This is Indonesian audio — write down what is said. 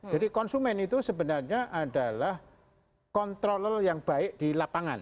jadi konsumen itu sebenarnya adalah kontrol yang baik di lapangan